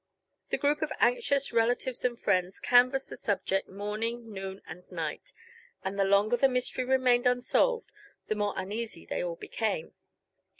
The group of anxious relatives and friends canvassed the subject morning, noon and night, and the longer the mystery remained unsolved the more uneasy they all became.